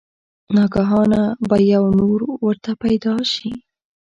ناګهانه به يو نُور ورته پېدا شي